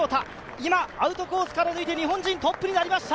今、アウトコースから抜いて日本人トップになりました。